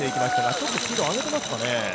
ちょっとスピードを上げてますかね。